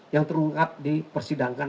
yang terungkap di persidangan